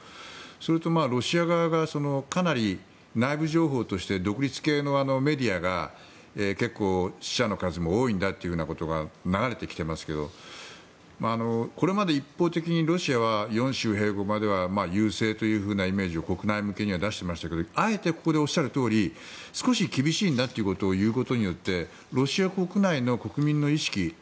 それと、ロシア側がかなり内部情報として独立系のメディアが結構、死者の数も多いんだということが流れてきていますけどこれまで一方的にロシアは４州併合までは優勢というイメージを国内向けには出していましたがあえて、ここでおっしゃるとおり少し厳しいんだということを言うことによってロシア国内の国民の意識